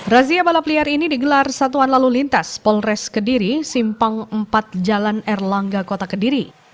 razia balap liar ini digelar satuan lalu lintas polres kediri simpang empat jalan erlangga kota kediri